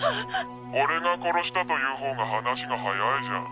俺が殺したと言う方が話が早いじゃん。